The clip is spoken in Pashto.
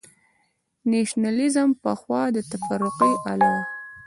نېشنلېزم پخوا د تفرقې الې وه.